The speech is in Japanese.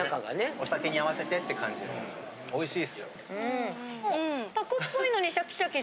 ・お酒に合わせてって感じのおいしいっすよ・高畑さん